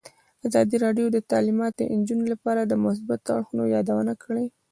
ازادي راډیو د تعلیمات د نجونو لپاره د مثبتو اړخونو یادونه کړې.